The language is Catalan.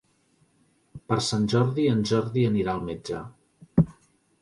Per Sant Jordi en Jordi anirà al metge.